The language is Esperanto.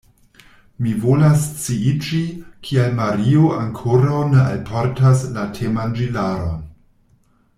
Mi volas sciiĝi, kial Mario ankoraŭ ne alportas la temanĝilaron.